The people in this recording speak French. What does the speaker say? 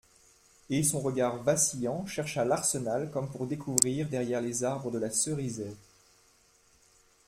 Et son regard vacillant chercha l'Arsenal comme pour découvrir derrière les arbres de la Cerisaie.